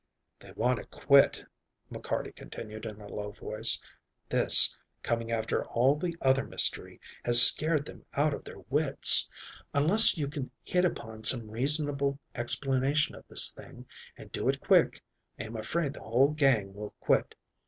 "They want to quit," McCarty continued in a low voice. "This, coming after all the other mystery, has scared them out of their wits. Unless you can hit upon some reasonable explanation of this thing and do it quick, I am afraid the whole gang will quit.